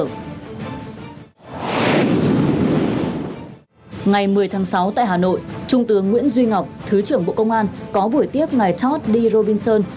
ngày một mươi tháng sáu tại hà nội trung tướng nguyễn duy ngọc thứ trưởng bộ công an có buổi tiếp ngày todd d robinson